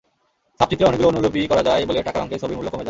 ছাপচিত্রের অনেকগুলো অনুলিপি করা যায় বলে টাকার অঙ্কে ছবির মূল্য কমে যায়।